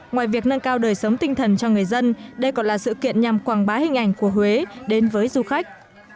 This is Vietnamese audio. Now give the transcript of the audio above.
ngoài việc nâng cao đời sống tinh thần cho người dân đây còn là sự kiện nhằm quảng bá hình ảnh của huế đến với du khách